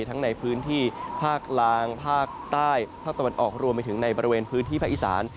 ทั้งในพื้นที่ภาคล่างภาคใต้ภาคตะวันออกรวมไปถึงในบริเวณพื้นที่ภาคอีสาน